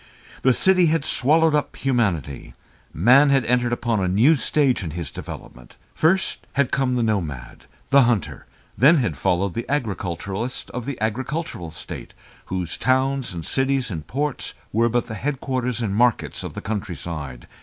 The city had swallowed up humanity; man had entered upon a new stage in his development. First had come the nomad, the hunter, then had followed the agriculturist of the agricultural state, whose towns and cities and ports were but the headquarters and markets of the countryside.